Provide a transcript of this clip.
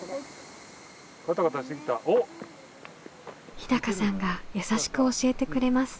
日高さんが優しく教えてくれます。